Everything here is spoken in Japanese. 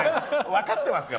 分かってますから。